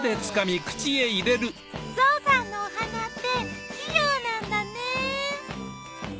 ゾウさんのお鼻って器用なんだね。